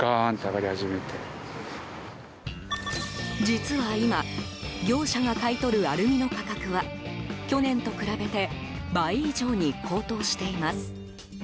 実は今業者が買い取るアルミの価格は去年と比べて倍以上に高騰しています。